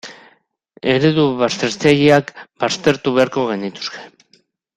Eredu baztertzaileak baztertu beharko genituzke.